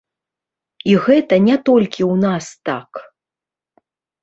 І гэта не толькі ў нас так.